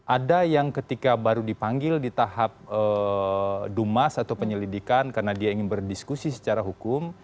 ada yang ketika baru dipanggil di tahap dumas atau penyelidikan karena dia ingin berdiskusi secara hukum